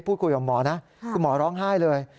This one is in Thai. พูดคุยกับหมอนะคุณหมอร้องไห้เลย